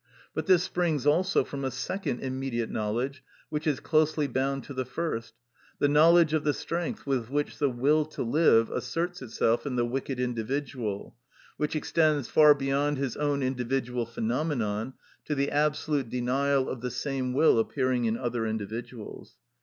But this springs also from a second immediate knowledge, which is closely bound to the first—the knowledge of the strength with which the will to live asserts itself in the wicked individual, which extends far beyond his own individual phenomenon, to the absolute denial of the same will appearing in other individuals.